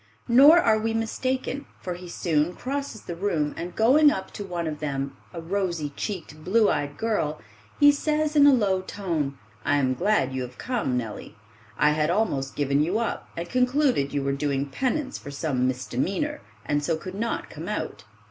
Nor are we mistaken, for he soon crosses the room, and going up to one of them, a rosy cheeked, blue eyed girl, he says in a low tone, "I am glad you have come, Nellie. I had almost given you up, and concluded you were doing penance for some misdemeanor, and so could not come out."